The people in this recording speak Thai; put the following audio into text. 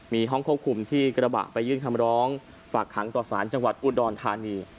มีห้องควบคุมที่กระบะไปยื่นคำร้องฝากขังต่อสารจังหวัดอุดรธานี